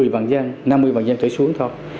một mươi vàng dân năm mươi vàng dân tới xuống thôi